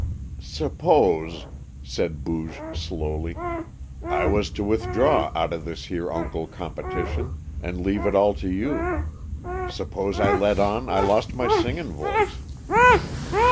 "Suppose," said Booge slowly, "I was to withdraw out of this here uncle competition and leave it all to you? Suppose I let on I lost my singin' voice?"